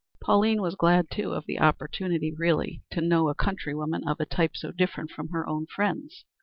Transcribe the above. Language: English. Pauline was glad, too, of the opportunity really to know a countrywoman of a type so different from her own friends.